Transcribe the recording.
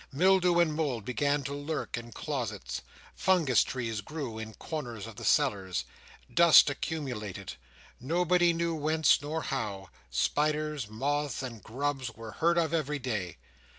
Mildew and mould began to lurk in closets. Fungus trees grew in corners of the cellars. Dust accumulated, nobody knew whence nor how; spiders, moths, and grubs were heard of every day.